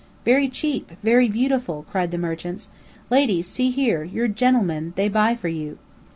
"Very cheap! very beautiful!" cried the merchants. "Ladies, see here! Your gen'lemen, they buy for you!"